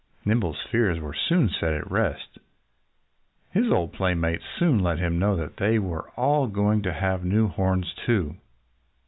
Nimble's fears were soon set at rest. His old playmates soon let him know that they were all going to have new horns too.